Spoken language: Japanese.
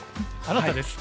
あなたです。